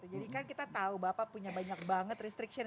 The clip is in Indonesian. jadi kan kita tahu bapak punya banyak banget restriction